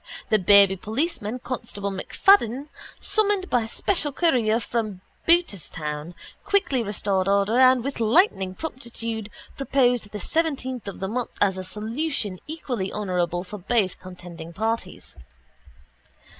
The baby policeman, Constable MacFadden, summoned by special courier from Booterstown, quickly restored order and with lightning promptitude proposed the seventeenth of the month as a solution equally honourable for both contending parties.